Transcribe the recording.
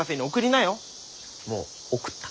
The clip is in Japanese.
もう送った。